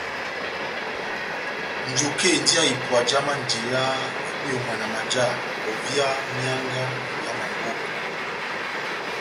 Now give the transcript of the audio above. Njuke endi ya ipuwa já manjeya m'iyomwana maja ovia mianga n'ibweya ó mamboka.